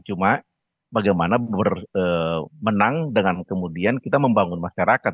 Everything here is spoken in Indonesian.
cuma bagaimana bermenang dengan kemudian kita membangun masyarakat